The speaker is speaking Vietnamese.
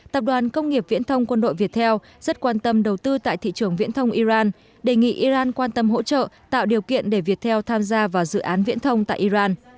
tập đoàn công nghiệp viễn thông quân đội việt theo rất quan tâm đầu tư tại thị trường viễn thông iran đề nghị iran quan tâm hỗ trợ tạo điều kiện để việt theo tham gia vào dự án viễn thông tại iran